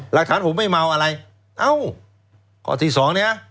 หลักฐานผมไม่เมาอะไรเอ้าข้อที่สองเนี้ย